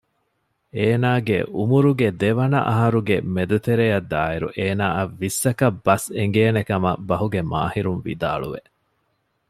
އޭނާގެ އުމުރުގެ ދެވަނަ އަހަރުގެ މެދުތެރެއަށް ދާއިރު އޭނާއަށް ވިއްސަކަށް ބަސް އެނގޭނެ ކަމަށް ބަހުގެ މާހިރުން ވިދާޅުވެ